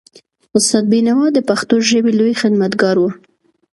استاد بینوا د پښتو ژبې لوی خدمتګار و.